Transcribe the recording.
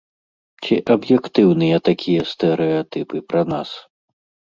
Ці аб'ектыўныя такія стэрэатыпы пра нас?